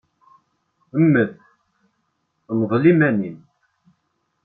Mmet, mḍel iman-im.